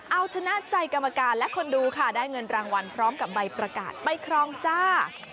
เอาชนะใจกรรมการและคนดูค่ะได้เงินรางวัลพร้อมกับใบประกาศไปครองจ้า